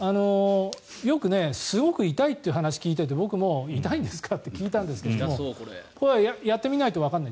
よく、すごく痛いという話を聞いていて僕も痛いんですか？って聞いたんですけどもこれはやってみないとわからない。